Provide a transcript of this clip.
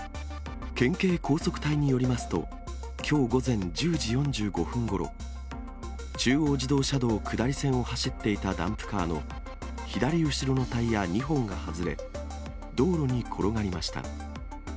県警高速隊によりますと、きょう午前１０時４５分ごろ、中央自動車道下り線を走っていたダンプカーの、左後ろのタイヤ２本が外れ、道路に転がりました。